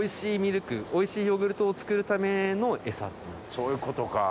そういうことか。